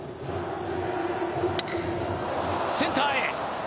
センターへ。